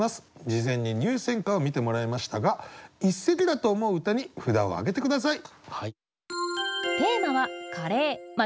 事前に入選歌を見てもらいましたが一席だと思う歌に札を挙げて下さい。